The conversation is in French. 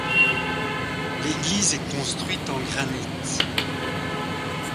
L'église est construite en granite.